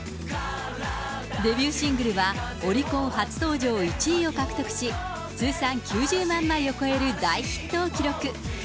デビューシングルは、オリコン初登場１位を獲得し、通算９０万枚を超える大ヒットを記録。